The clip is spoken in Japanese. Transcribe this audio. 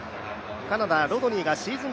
カナダ、ロドニーがシーズン